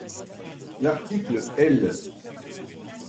L’article L.